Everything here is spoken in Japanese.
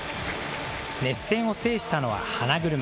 熱戦を制したのは花車。